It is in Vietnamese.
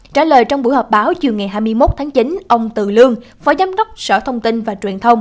trả lời trong buổi họp báo chiều ngày hai mươi một tháng chín ông từ lương phó giám đốc sở thông tin và truyền thông